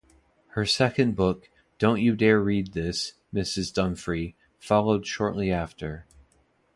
Her second book, Don't You Dare Read This, Mrs. Dunphrey, followed shortly after.